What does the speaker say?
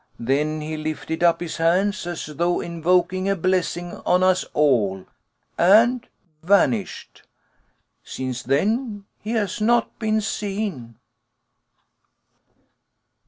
Then he lifted up his hands as though invoking a blessing on us all, and vanished. Since then he has not been seen."